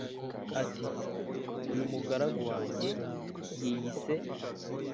ati: "uyu mugaragu wanjye yiyise